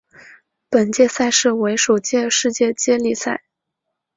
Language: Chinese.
本届赛事为首届世界接力赛。